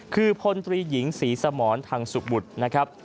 คือพลตรีหญิงศรีสมรทางสุขบุตรนะครับ